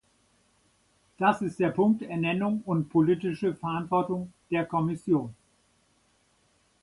Das ist der Punkt Ernennung und politische Verantwortung der Kommission.